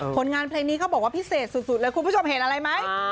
ผลงานเพลงนี้เขาบอกว่าพิเศษสุดเลยคุณผู้ชมเห็นอะไรไหม